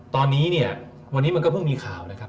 ตอนนี้เนี่ยวันนี้มันก็เพิ่งมีข่าวนะครับ